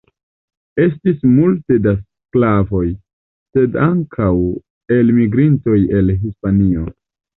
Estis multe da sklavoj, sed ankaŭ elmigrintoj el Hispanio.